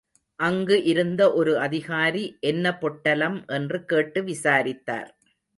அங்கு இருந்த ஒரு அதிகாரி, என்ன பொட்டலம் என்று கேட்டு விசாரித்தார்.